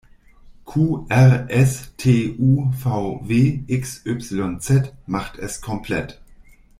Q-R-S-T-U-V-W-X-Y-Z macht es komplett!